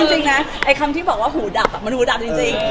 จริงนะไอ้คำที่บอกว่าหูดับมันหูดับจริง